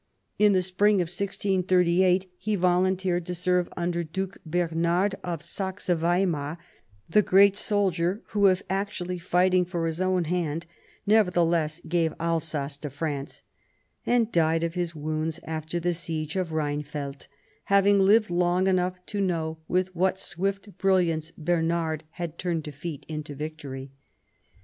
In the spring of 1638 he volunteered to serve under Duke Bernard of Saxe Weimar — the great soldier who, if actually fighting for his own hand, nevertheless gave Alsace to France — and died of his wounds after the siege of Rheinfeld, having lived long enough to know with what swift brilliance Bernard had turned defeat into victory.